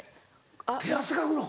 手汗かくの？